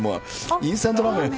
インスタントラーメン。